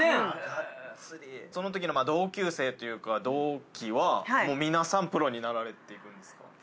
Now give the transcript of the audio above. そのときの同級生というか同期は皆さんプロになられているんですか？